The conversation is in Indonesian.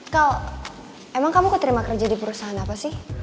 kau emang kamu keterima kerja di perusahaan apa sih